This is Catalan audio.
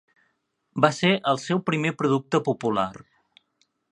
Va ser el seu primer producte popular.